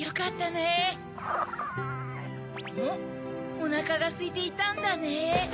おなかがすいていたんだね。